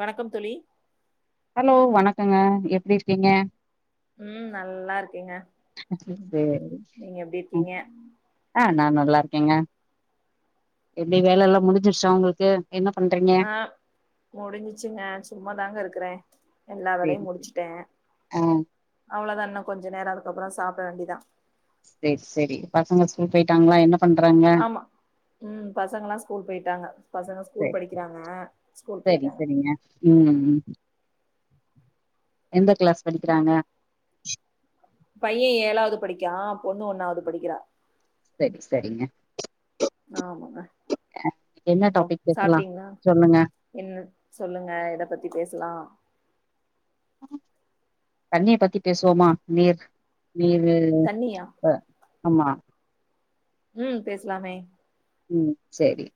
வணக்கம் தோழி அலோ வணக்கங்க எப்டி இருக்கீங்க ம் நல்லா இருக்கேங்க சேரி நீங்க எப்டி ம் இருக்கீங்க ஆ நா நல்லாருக்கேங்க எப்டி வேலல்லா முடிஞ்சிருச்சா உங்ளுக்கு என்ன பண்றீங்க ஆ முடிஞ்சிச்சுங்க சும்மா தாங்க இருக்கறே எல்லா வேலையு சேரி சேரி முடிச்சிட்டே ஆ அவ்ளதா இன்னு கொஞ்ச நேரோ அதுக்கப்றோ சாப்ட வேண்டிதா சேரி, சேரி பசங்க ஸ்கூல் போயிட்டாங்களா என்ன பண்றாங்க ஆமா ம் பசங்கல்லா ஸ்கூல் போயிட்டாங்க, பசங்க ஸ்கூல் படிக்கிறாங்க, ஸ்கூல் சேரி போயிட்டாங்க சேரிங்க ம், ம் எந்த கிளாஸ் படிக்கிறாங்க பைய ஏழாவது படிக்கிறா பொண்ணு ஒண்ணாவது படிக்கிறா சரி சரிங்க ஆமாங்க அ என்ன அப்றோ டாபிக் பேசலா சாப்ட்டீங்களா சொல்லுங்க என்ன சொல்லுங்க எத பத்தி பேசலா தண்ணிய பத்தி பேசுவோமா நீர் நீரு, தண்ணியா ப ஆமா ம் பேசலாமே ம் சேரி,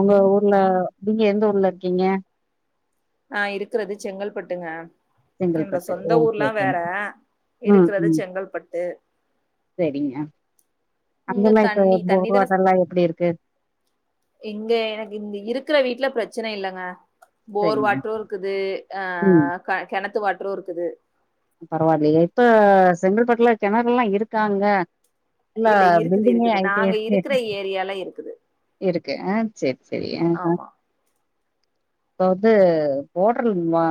உங்க ஊர்ல நீங்க எந்த ஊர்ல இருக்கீங்க நா இருக்குறது செங்கல்பட்டுங்க என்னோட செங்கல்பட்டு சொந்த ஓகே ஊர்ல்லா ஓகே வேற ம் இருக்குறது ம் செங்கல்பட்டு சேரிங்க இங்க அங்கல்லா இப்ப தண்ணி தண்ணி போர் தான வாட்டர்லா எப்படி இருக்கு இங்க எனக்கு இங்க இருக்கற வீட்ல பிரச்சன இல்லங்க போர் சரிங்க வாட்ரு இருக்குது ஆ ம் க கெணத்து வாட்ரு இருக்குது பரவால்லயே இப்ப செங்கல்பட்டுல கெணறுல்லா இருக்கா அங்க ஃபுல்லா இல்ல இருக்குது பில்டிங்கே இருக்குது நாங்க இருக்கிற ஆயிட்டேருக் ஏரியால இருக்குது இருக்கு ஆ சேரி சேரி ஆ ஆமா இப்ப வந்து போர்டல் வா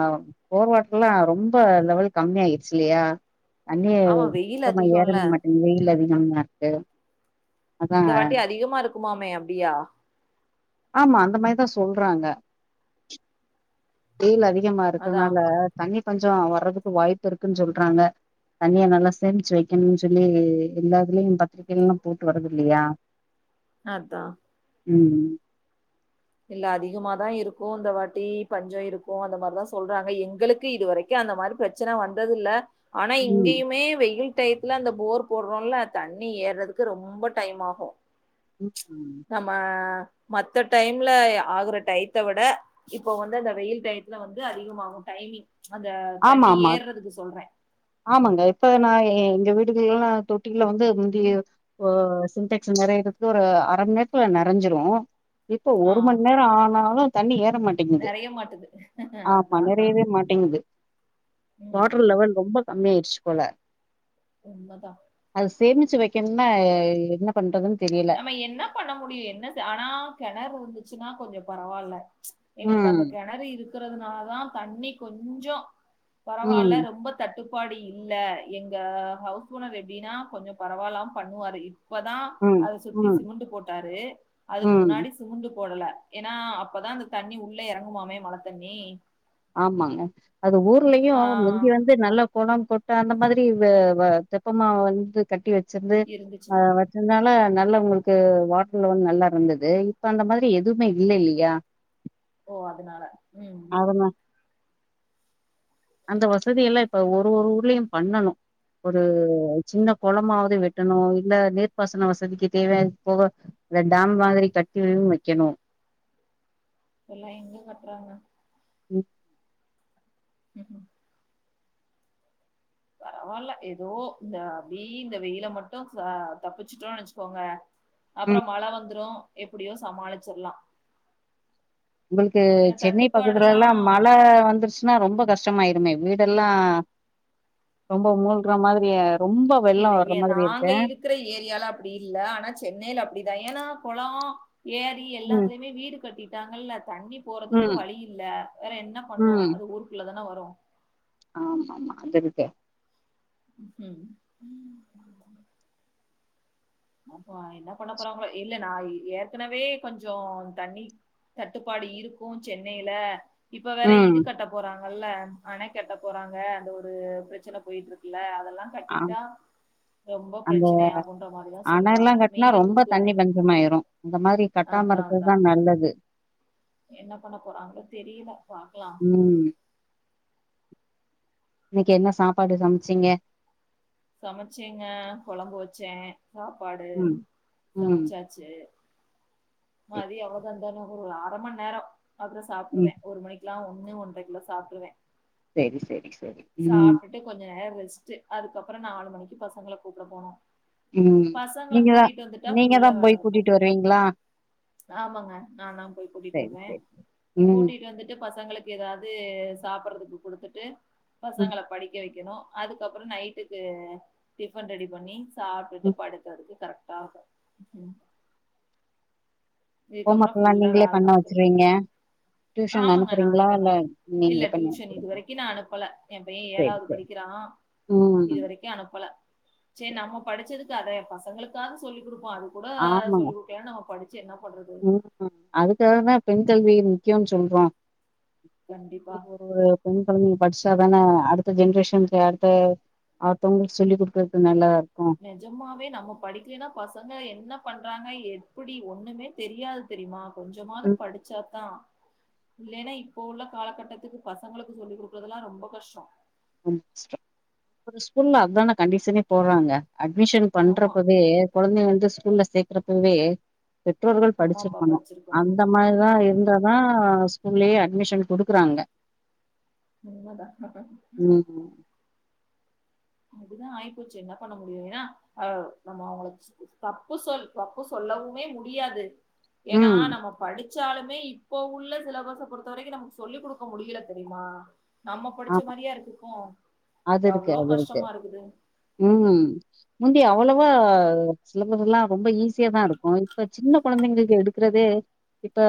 போர் வாட்டர்லா ரொம்ப லெவல் கம்மி ஆயிருச்சு இல்லையா தண்ணியே ஆமா வெயில் சுத்தமா அதிகம்ல ஏறவே மாட்டேங்குது வெயில் அதிகமா இருக்கு அதா இந்த வாட்டி அதிகமா இருக்குமாமே அப்டியா ஆமா அந்த மாரிதா சொல்றாங்க வெயில் அதிகமா அதா இருக்கறனால தண்ணி பஞ்சோ வர்றதுக்கு வாய்ப்பு இருக்குன்னு சொல்றாங்க தண்ணியா நல்லா சேமிச்சு வைக்கணுனு சொல்லி எல்லாதுலயு பத்திரிக்கைலலா போட்டு வரது இல்லையா அதா ம் ல் அதிகமாதா இருக்கு இந்த வாட்டி பஞ்ச இருக்கு அந்த மாரிதா சொல்றாங்க எங்களுக்கு இதுவரை க்கி அந்த மாரி பிரச்சன வந்தது இல்ல ஆனா ம் இங்கயுமே வெயில் டயத்துல அந்த போர் போடுறோல்ல தண்ணி ஏறதுக்கு ரொம்ப டைம் ஆகு ம் ம் நம்ம மத்த டைம்ல ஆகுற டயத்த விட இப்போ வந்து அந்த வெயில் டயத்துல வந்து அதிகமாகு டைமிங் அந்த ஆமா தண்ணி ஆமா ஏறுறதுக்கு சொல்ற ஆமாங்க இப்ப நா எங்க வீடுகள்ல்லலா தொட்டிக்குள்ள வந்து முந்தி இப்ப சிடெக்ஸ் நெறையறதுக்கு ஒரு அர மணி நேரத்துல நெறஞ்சிரு இப்ப ஆ ஒரு மண்நேரம் ஆனாலு தண்ணி ஏற மாட்டேங்குது நெறைய மாட்டுது ஆமா அதா நெறையவே மாட்டேங்குது வாட்டர் ம் லெவல் ரொம்ப கம்மியாயிடுச்சு போல உண்மதா அது சேமிச்சு வைக்கனுனா என்ன பண்றதுன்னு தெரியல நம்ம என்ன பண்ண முடியு என்ன செ ஆனா கெணறு இருந்துச்சுன்னா கொஞ்சோ பரவால்ல எங்களுக்கு ம் அந்த கெணறு இருக்கிறதுனாலதா தண்ணி கொஞ்சோ ம் பரவால்ல ரொம்ப தட்டுப்பாடு இல்ல எங்க ஹவுஸ் ஓனர் எப்டினா கொஞ்சோ பரவாலாம் பண்ணுவாரு இப்பதா ம் அத சுத்தி ம் சிமுண்டு போட்டாரு அதுக்கு ம் முன்னாடி சிமுண்டு போடல ஏனா அப்பதா அந்த தண்ணி உள்ள எறங்குமாமே மழ தண்ணி ஆமாங்க அது ஊர்லயு ஆ முந்தி வந் து நல்ல கொளம் குட்ட அந்த மாதிரி இது வா தெப்பமா வந்து கட்டி வச்சிர்ந்து ஆ இருந்துச்சுன்னா. வச் சுனால நல்ல உங்களுக்கு வாட்டர்லவல் நல்லா இருந்தது இப்ப அந்த மாதிரி எதுமே இல்ல இல்லையா ஓ அதுனால ம் அதனா அந்த வசதி எல்லா இப்ப ஒரு ஒரு ஊர்லயு பண்ணணு ஒரு சின்ன கொளமாவது வெட்டணு இல்ல நீர்ப்பாசன வசதிக்கு தேவயான்து போக இந்த டாம் மாதிரி கட்டியு வைக்கணு எல்லா எங்க கட்றாங்க ம் ம் ஹும் பரவால்ல எதோ இந்த அப்டி இந்த வெயில மட்டு சா தப்பிச்சுட்டோ நெனச்சுக்கோங்க அப்புறோ ம். மழ வந்ரு எப்புடியோ சமாளிச்சிர்லா உங்ளுக்கு சென்னை பக்கத்துலலா மழ வந்துர்ச் சுனா ரொம்ப கஷ்டமாயிருமே வீடெல்லா ரொம்போ மூழ்க்ற மாதிரி ஆ ரொம்ப வெள்ளோ இல்ல. வர்ற ஏ மாதிரி நாங்க இருக்கே இருக்கிற ஏரியாலா அப்டி இல்ல ஆனா சென்னைல அப்டிதா ஏனா கொளோ ஏரி ம் எல்லாத்லேமே வீடு கட்டிட்டாங்கல்ல தண்ணி போறதுக்கு ம் வழி இல்ல வேற என்ன பண்ணூ அது ஊருக்குள்ள தான வரு ஆ ஆமா ஆமா அந்த இதுக்கு ம் ஹும் அப்போ என்ன பண்ண போறாங்ளோ இல்ல நா ஏற்கனவே கொஞ்சோ தண்ணி தட்டுப்பாடு இருக்கு சென்னேல இப்ப வேற ம் இது கட்ட போறாங்கல்ல அணை கட்ட போறாங்க அந்த ஒரு பிரச்சன போய்ட்ருக்குல அதெல்லா ஆ கட்டிட்டா ரொம்ப பிரச்சனை ஆகுன்ற மாரிதாஸ் அனல்லா கட்னா ரொம்ப தண்ணி பஞ்சமாய்ரு அந்த மாரி கட்டாம அதான் அதான். இருக்றதா நல்லது என்ன பண்ண போறாங்ளோ தெரில பாக்லா ம் இன்னைக்கு என்ன சாப்பாடு சம்ச்சீங்க சமச்சேங்க கொழம்பு வச்சே சாப்பாடு ம் ம் சமச்சா ச்சு சரி. மதியோ எவ்ளோதா இருந்தாலு ஒரு அர மநேரோ அப்புறோ ம் சாப்புடுவே ஒரு மணிக்லா ஒன்னு ஒன்றைக்குல்ல சாப்ட்ருவே சேரி செரி செரி ம் ப்டி கொஞ்ச நேரோ ரெஸ்ட்டு அதுக்கப்புறோ நாலு மணிக்கு பசங்ள கூப்ட போனு ம் பசங்ள நீங்கதா கூட்டிட் வந்துட்டா நீங்கதா ஃபுல்லா வேல போய் இருக்கு கூட்டிட்டு வருவீங்களா ஆமாங்க நா தா போய் கூட்டிட் செரி வந்தே செரி ம் கூட்டிட்டு வந்துட்டு பசங்ளுக் எதாவ்து சாப்புறதுக்கு குடுத்துட்டு ம் பசங்ள படிக்க வைக்கணு அதுக்கப்புறு நைட்டு க்கு டிஃபன் ரெடி பண்ணி சாப்ட்டுட்டு ம் படுக்றதுக்கு கரெட்டா இருக்கு ம் ஹோம் இதுக்கப்புறோ ஒர்க்லா ஃபுல்லா நீங்களே வேலதா பண்ண உக்காந்திர்ப்ப வச்சிருவீங்க டியூஷன் ஆமாங்க நானே அனுப்புறீங்களா பண்ணு இல்ல இல்ல நீங்களே பண்ணி டியூஷன் இது வச்சிருவீங்க வரைக்கு நா அனுப்பல என் பையன் செரி ஏழாவ்து படி செரி கிறான் ம் இதுவரைக் கி அனுப்பல சேர் நம்ம படிச்சதுக்கு அதை என் பசங்களுக்காக சொல்லி குடுப்போ அது கூட ஆமாங்க சொல்லி கு எனா நம படிச்சு என்ன பண்றது ம் அதுக்காகதா பெண் கல்வி முக்கியோன் சொல்றோ கண்டிப்பா ஒரு ஒரு பெண் கொழந்தைங்க படிச்சாதான அடுத்த ஜென்ரேஷன்ல அடுத்த அடுத்தோங்ளுக்கு சொல்லி குடுக்கற்க்கு நல்லாருக்கு நிஜமே நம்ம படிக்கலனா பசங்க என்ன பண்றாங்க எப்டி ஒன்னுமே தெரியாது தெரிமா கொஞ்சமாது ம் படிச்சாதா இல்லைனா இப்போ உள்ள காலகட்டத்துக்கு பசங்களுக்கு சொல்லிக் குடுக்கறதுல்லா ரொம்ப கஷ்டோ ஒரு ஸ்கூல்ல அத்தான கண்டிஷனே போட்றாங்க அட்மிஷன் ஆமா பண்றப்பவே குழந்தைய வந்து ஸ்கூல்ல சேக்கறப்பவே பெற்றோர்கள் அம்மா அப்பா படிச்சிருக்கணு அந்த மாரிதா கண்டிப்பா இருந்ததா ஸ்கூல்லயே அட்மிஷன் குடுக்குறாங்க உண்மதா ம் அப்டிதா ஆய்ப்போச்சு என்ன பண்ண முடியு எனா அ நம்ம அவங்களுக் தப்பு சொல் தப்பு சொல்லவுமே முடியாது எனா ம் நம்ம படிச்சாலுமே இப்போ உள்ள சிலபஸ பொறுத்த வரிக்கு நமக்கு சொல்லி குடுக்க முடியல தெரியுமா நம்ம படிச்ச ஆமா மாரியா இருக்கு இப்போ அது இருக்கு அவ்வளோ அது இருக்கு கஷ்டமா இருக்குது ம் முந்தி அவ்வளோவா சிலபஸ்லா ரொம்ப ஈஸியாதா இருக்கு இப்ப சின்ன கொழந்தைங்களுக்கு எடுக்கறதே இப்ப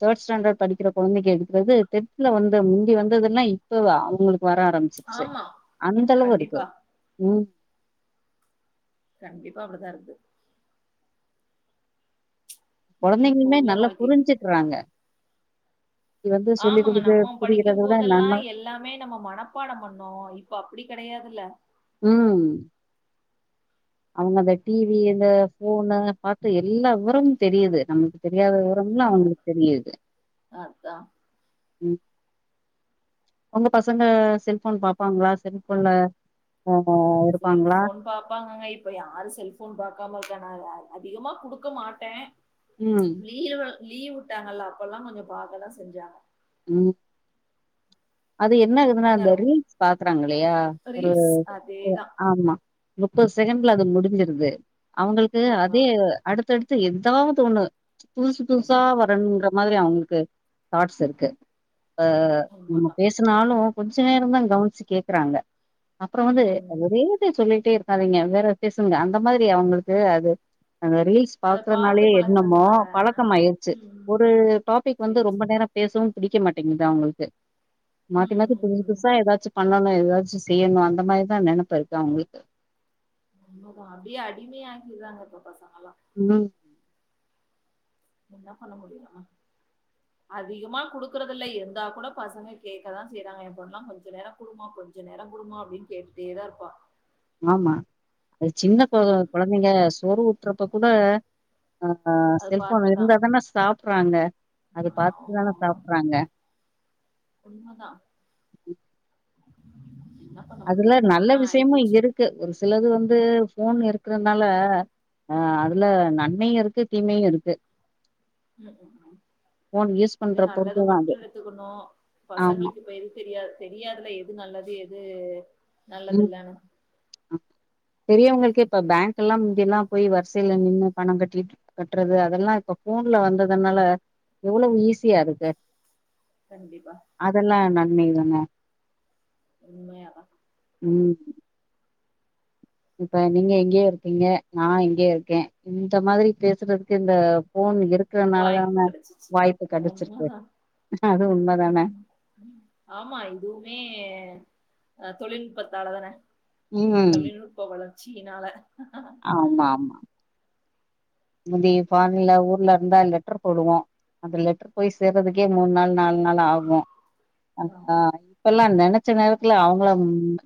தேர்ட் ஸ்டாண்டர்ட் படிக்கிற கொழந்தைக்கு எடுக்கறதே டென்துல வந்து முந்தி வந்ததுல்லா இப்பவே அவுங்களுக்கு வர ஆரம்பிச்சிச்சு ஆமா அந்தளவு இருக்கு கண்டிப்பா ம் கண்டிப்பா அப்டிதா இருக்து சரி இப்போ கொழந்தைங்களுமே உள்ள நல்லா வாழ்க்கைக்கு புரிஞ்சுக்றாங்க ஆமாங்க குடுத்து நம்ம படிக்கு புரிகிறத விட போதெல்லா நம்ம எல் எல்லாமே நம்ம மனப்பாடோ பண்ணோ இப்ப அப்டி கடையாதுல்ல ம் அவங்க அந்த டிவி இந்த போனு பாத்து எல்லா விவரமு தெரியுது நமக்கு தெரியாத விவ எல்லா அவுங்ளுக் தெரியுது அதா உங்க பசங்க செல்போன் பாப்பாங்ளா செல்போன் ஆ எடுப்பாங்ளா செல்ஃபோன் பாப்பாங்கங்க இப் இப்ப யாரு செல்போன் பாக்காம இருக்காங்க அதிகமா குடுக்க மாட்டே ம், லீவு லீவ் உட்டாங்கல்ல அப்போலா கொஞ்சோ பாக்கதா செஞ்சாங்க ம் அது என்னது அந்த நரவு ரீல்ஸ் பாக்குராங்கலையா ஒரு ரீல்ஸ் அதேதா ஆமா முப்பது செகண்ட்ல அது முடிஞ்சிருது அவங்களுக்கு அதா அதே அடுத்தடுத்து எத்தாது ஒன்னு புதுசு புதுசா வருங்குற மாதிரி அவுங்குளுக்கு தாட்ஸ் இருக் ஆ நம்ம உண்மதா பேசனாலு கொஞ்ச நேரோதா கவனிச்சு கேக்குறாங்க அப்றோ வந்து ம் ஒரே இத சொல்லிட்டே இருக் சரிங்க வேற பேசுங்க அந்த மாரி அவுங்குளுக்கு அது அந்த ரீல்ஸ் அத பாத்து பாக்குறனாலே என்னமோ பழகுனதுனால பழக்கம் ஆய்ருச்சு ம் ம் ஒரு டாபிக் வந்து சேரி ரொம்ப சேரி நேரோ பேசவு பிடிக்க மாட்டேங்குது அவுங்குளுக்கு மாத்தி ம் மாத்தி ம் ம் புதுசா ம் எதாச்சு பண்ணனு எதாச்சு செய்யணு அந்த மாரிதா நெனப்பு இருக்கு அவுங்குளுக்கு உண்மதா அப்டியே அடிமையாகிட்றாங்க இப்ப பசங்கலா ம் என்ன பண்ண முடியு நம்ம [inaudible] அதிகமா குடுக்கறதில்ல இருந்தா கூட பசங்க கேட்கதா செய்யறாங்க எ பொன்லா கொஞ்சோ நேரோ குடுமா கொஞ்ச கொஞ்ச நேரோ குடுமா அப்பிடின்னு கேட்டுட்டேதா இருப்பா ஆமா அது சின்ன கொ ம் கொழந்தைங்க சோறு ஊட்டுறப்ப கூட அ அ அது செல்போன் பாத்தாதா இருந்தாதான சாப்பறாங்க அது பாத்துட்டு ஆமா தான ஆமா சாப்பறாங்க உண்மதா என்ன பண்ண முடியு அப்படிதா ஆயிப்போச்சு க்கு ஒரு சிலது வந்து ஃபோன் இருக்கறதுனால அ அதுல நன்மையு இருக்கு தீமையு இருக்கு ம் ஃபோன் யூஸ் பெரு பண்ற நல்லது பொறுத்துதா மட்டு அது எடுத்துக்கணு ஆமா பசங்களுக்கு இப்ப எது தெரியாது தெரியாதுல்ல எது நல்லது எது நல்லதில்லன்னு அ பெரியவங்களுக்கே இப்ப பேங்கெல்லா முந்தியெல்லா போய் வரிசையில நின்னு பணோ கட்டிட்டு கட்டுறது அதெல்லா இப்ப போன்ல வந்ததுனால எவ்ளோவு ஈஸியாருக்கு கண்டிப்பா அதெல்லா நன்மை தான உண்மையாப்பா ம் இப்ப நீங்க எங்கேயோ இருக்கீங்க நா எங்கேயோ இருக்கே இந்த மாதிரி பேசுறதுக்கு இந்த ஃபோன் இருக்கறனால வாய்ப்பு தானே கெடச்சிச்சு வாய்ப்பு கெடைச்சிருக்கு உண்மதா அதுவு உண்ம தான ஆமா இதுவுமே அ தொழில் நுட்பத்தால தான ம் தொழில்நுட்ப வளர்ச்சியினால ஆமா ஆமா முந்தைய [unintelligible] ஊர்லருந்தா லெட்டர் போடுவோ அது லெட்டர் போய் சேர்றதுக்கே மூணு நாள் நாலு நாள் ஆகு ஆ ஆமா இப்பெல்லா நெனைச்ச நேரத்துல அவங்கள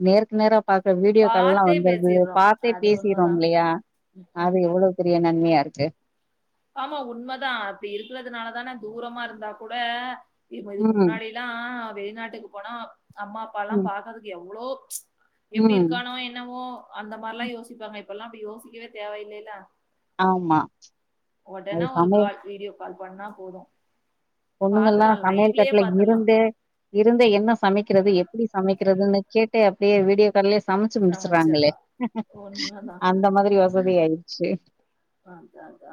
நேருக்கு நேரா பாக்க வீடியோ கால்லா பாத்தே வந்தருக்குது பேசிர்றோ பாத்தே அது பேசிறோ உண்மதா இல்லையா ம் ம் அது எவ்ளோ பெரிய நன்மையாருக்கு ஆமா உண்மதா அப்பிடி இருக்கறதுனால தான தூரமா இருந்தா கூட இ இதுக்கு ம் முன்னாடி லா வெளிநாட்டுக்கு போனா அம்மா அப்பா எல்லா ம் பாக்கறதுக்கு எவ்ளோ எப்பிடி ம் இருக்கானோ என்னவோ அந்த மாரிலா யோசிப்பாங்க இப்பெல்லா அப்பிடி யோசிக்கவே தேவயில்லையில ஆமா அது ஒடனே ஒரு சமைய கால் வீடியோ கால் பண்ணா போது பொண்ணுங்கல்லா சமையல் கட்டல இருந்தே இருந்து என்ன சமைக்கிறது எப்பிடி சமைக்கிறதுன்னு கேட்டு அப்டியே வீடியோ கால்லே சமைச்சு முடிச்சாறாங்களே சமைச்சர்லாம். உண்மதான். அந்த மாதிரி வசதி ஆயிடுச்சு அ அதாதா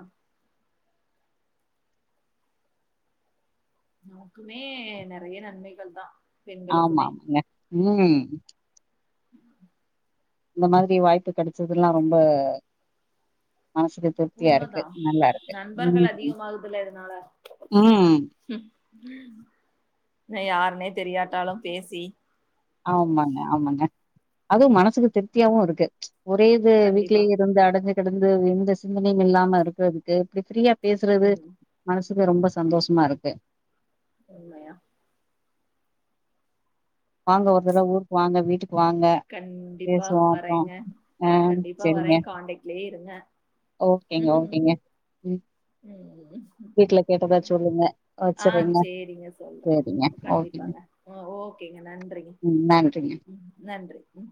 நமக்குமே நறைய நன்மைகள் தா ஆமா ஆமாங்க ம் ம் இந்த மாதிரி வாய்ப்பு கெடைச்சதெல்லா ரொம்ப மனசுக்கு திருப்தியாருக்கு உண்மதான். நல்லாருக்கு நண்பர்கள் ம் ம் யாருனே தெரியாட்டாலு பேசி ஆமாங்க ஆமாங்க அதுவு மனசுக்கு திருப்தியாவு இருக்கு ஒரே இது கண்டிப்பா. வீட்லேயே இருந்து அடைஞ்து கடந்து எந்த சிந்தனையு இல்லாம இருக்கறதுக்கு இப்டி ஃப்ரீயா பேசுறது ம் மனசுக்கு ரொம்ப சந்தோஷமாருக்கு உண்மையா வாங்க ஒரு தடவ ஊருக்கு வாங்க வீட்டுக்கு வாங்க கண்டிப்பா பேசுவோ அப்றோ வரேங்க ஆ கண்டிப்பா செரிங்க வரேன் காண்டக்ட்லயே இருங்க ஓகேங்க ஓகேங்க ம் வீட்ல கேட்டதா ம் சொல்லுங்க ஆ வச்சறேங்க சேரிங்க சொல்ற செரிங்க ஓகேங்க கண்டிப்பாங்க ஆ ஓகேங்க நன்றிங்க ம் நன்றிங்க ம் நன்றி ம்